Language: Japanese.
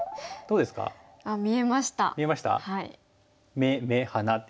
目目鼻で。